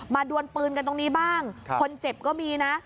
ดวนปืนกันตรงนี้บ้างคนเจ็บก็มีนะ